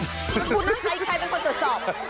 คุณคุณนะใครเป็นคนตรวจสอบ